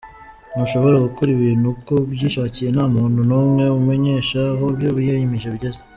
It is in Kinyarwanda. "Ntushobora gukora ibintu uko ubyishakiye nta muntu n’umwe umenyesha aho ibyo wiyemeje bigeze.